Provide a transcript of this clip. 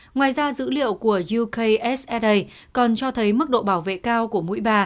ngoài ra dữ liệu của youksa còn cho thấy mức độ bảo vệ cao của mũi ba